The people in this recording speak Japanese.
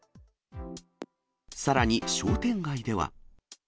さらに商店街では。